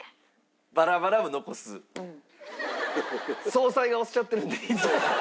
総裁がおっしゃってるんでいいですか？